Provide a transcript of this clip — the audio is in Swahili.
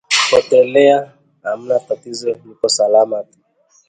Potelea hamna tatizo nipo salama tu